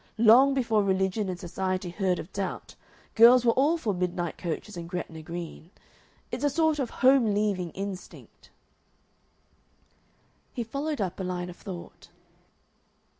Long before religion and Society heard of Doubt, girls were all for midnight coaches and Gretna Green. It's a sort of home leaving instinct." He followed up a line of thought.